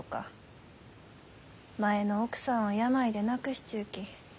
前の奥さんを病で亡くしちゅうき